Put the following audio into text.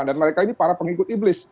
dan mereka ini para pengikut iblis